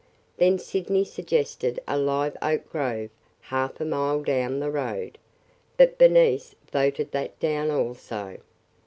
Then Sydney suggested a live oak grove half a mile down the road. But Bernice voted that down also.